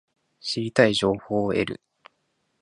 知りたい情報を得る